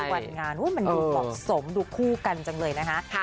วัดงานว่ามันดูปลอดศมดูคู่กันจังเลยนะฮะ